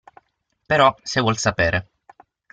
Però, se vuol sapere.